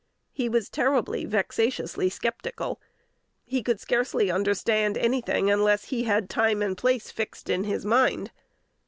He was terribly, vexatiously sceptical. He could scarcely understand any thing, unless he had time and place fixed in his mind.